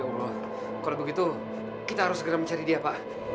kalau begitu kita harus segera mencari dia pak